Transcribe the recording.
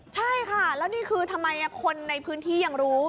ใช่ค่ะแล้วนี่คือทำไมคนในพื้นที่ยังรู้